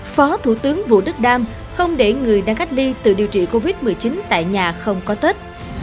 phó thủ tướng vũ đức đam không để người đang cách ly tự điều trị covid một mươi chín tại nhà không có tết